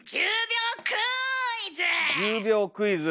１０秒クイズ。